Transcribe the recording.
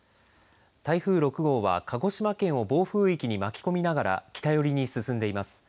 台風６号は、鹿児島県を暴風域に巻き込みながら北寄りに進んでいます。